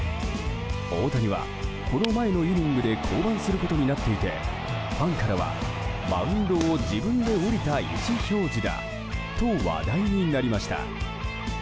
大谷は、この前のイニングで降板することになっていてファンからはマウンドを自分で降りた意思表示だと話題になりました。